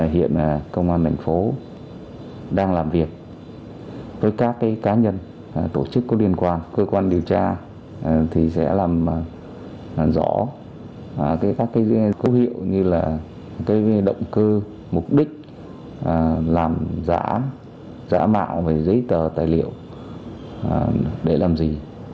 hiện công an thành phố đang làm việc với các cá nhân tổ chức có liên quan cơ quan điều tra thì sẽ làm rõ các dữ liệu như là động cơ mục đích làm giả giả mạo về giấy tờ tài liệu để làm gì